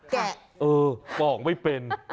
เออปอกไม่เป็น